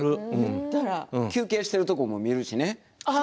休憩しているところも見るしね。